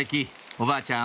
おばあちゃん